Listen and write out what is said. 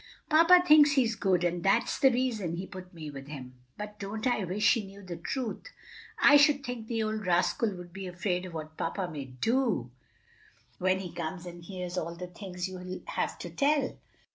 "Papa thinks he's good, and that's the reason he put me with him. Oh, but don't I wish he knew the truth!" "I should think the old rascal would be afraid of what papa may do when he comes and hears all the things you'll have to tell."